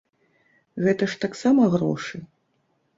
Гэта ж таксама грошы.